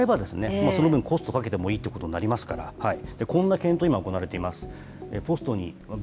活用方法が広がればその分、コストかけてもいいということになりますから、こんな検討、今、行われています。